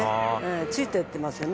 ついていってますよね